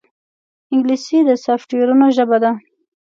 انګلیسي د سافټویرونو ژبه ده